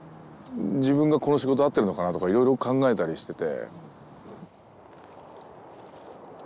自分がこの仕事合ってるのかなとかいろいろ考えたりしてて。